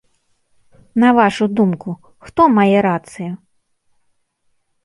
На вашу думку, хто мае рацыю?